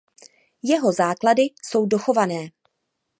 Jeho základy jsou dochované.